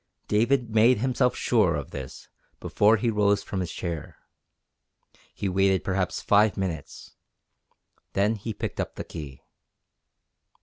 David made himself sure of this before he rose from his chair. He waited perhaps five minutes. Then he picked up the key.